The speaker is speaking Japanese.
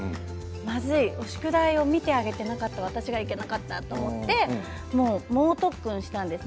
まずい、宿題を見てあげていなかった私がいけなかったと思って猛特訓したんです、